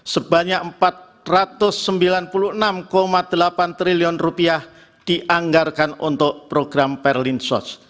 sebanyak empat ratus sembilan puluh enam delapan triliun dianggarkan untuk program perlinsos